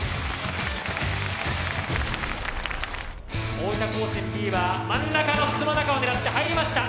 大分高専Ｂは真ん中の筒の中を狙って入りました！